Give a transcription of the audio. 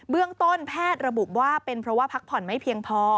เรื่องต้นแพทย์ระบุว่าเป็นเพราะว่าพักผ่อนไม่เพียงพอ